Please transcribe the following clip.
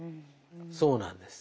そうなんです。